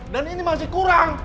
dan ini masih kurang